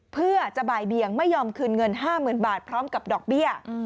เพื่อจะบ่ายเบียงไม่ยอมคืนเงิน๕๐๐๐บาทพร้อมกับดอกเบี้ย